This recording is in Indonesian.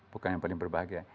bukan yang paling berbahagia